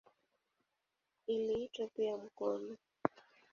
Iliitwa pia "mkono".